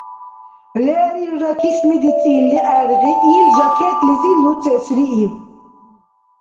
Лерилра кисми дицӀили гӀергъи, ил жакетлизи луцӀесрииб.